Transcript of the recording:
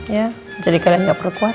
ya jadi kalian gak perlu khawatir